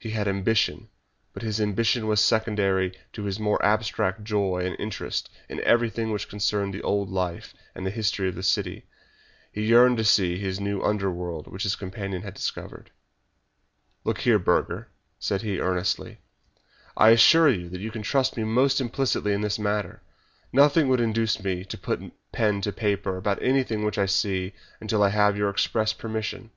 He had ambition, but his ambition was secondary to his mere abstract joy and interest in everything which concerned the old life and history of the city. He yearned to see this new underworld which his companion had discovered. "Look here, Burger," said he, earnestly, "I assure you that you can trust me most implicitly in the matter. Nothing would induce me to put pen to paper about anything which I see until I have your express permission.